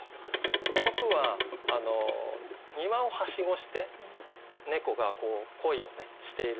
この句は庭をはしごして猫が恋をしていると。